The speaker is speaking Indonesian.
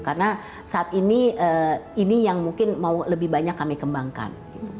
karena saat ini ini yang mungkin mau lebih banyak kami kembangkan